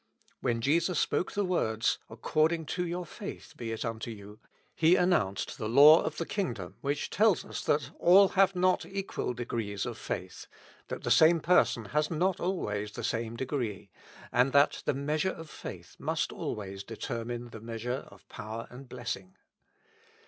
When Jesus spoke the words, " According to your faith be it unto you," He announced the law of the kingdom, which tells us that all have not equal degrees of faith, that the same person has not always the same degree, and that the measure of faith must always determine the measure of power and of blessing.